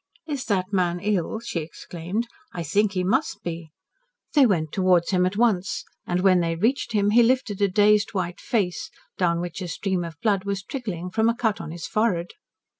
"Is that man ill?" she exclaimed. "I think he must be." They went towards him at once, and when they reached him he lifted a dazed white face, down which a stream of blood was trickling from a cut on his forehead.